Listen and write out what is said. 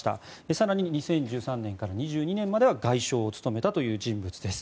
更に２０１３年から２０２２年に外相を務めた人物です。